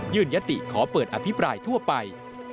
ยติขอเปิดอภิปรายทั่วไป